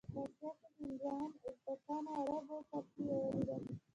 په اسیا کې هندوانو، ازبکانو او عربو فارسي ویلې ده.